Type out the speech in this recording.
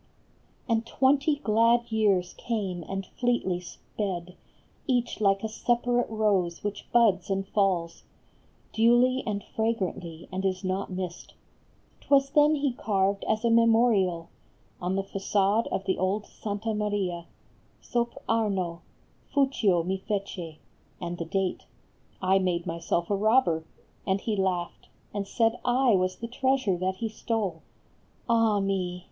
And twenty glad years came and fleetly sped. Each like a separate rose which buds and falls Duly and fragrantly and is not missed. T was then he carved as a memorial On the facade of the old Sta. Maria Sopr, Arno, " Fuccio mifece" and the date * I made myself a robber ;" and he laughed, A FLORENTINE JULIET. 105 And said I was the treasure that he stole ; Ah me